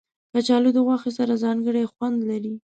کچالو د غوښې سره ځانګړی خوند لري